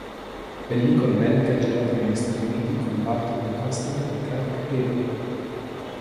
Pellicola bellica girata negli Stati Uniti con Burt Lancaster e Clark Gable.